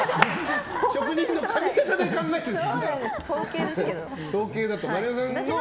職人さんの髪形で考えてます。